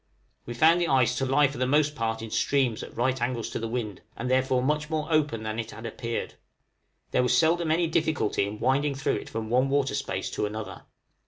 We found the ice to lie for the most part in streams at right angles to the wind, and therefore much more open than it had appeared: there was seldom any difficulty in winding through it from one water space to another.